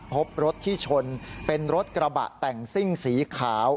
พบรถที่ชนเป็นรถกระบะแต่งซิ่งสีขาว